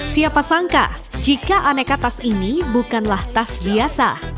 siapa sangka jika aneka tas ini bukanlah tas biasa